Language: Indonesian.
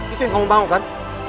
itu yang kamu banget kan